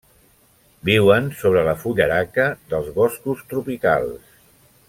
Viuen sobre la fullaraca dels boscos tropicals.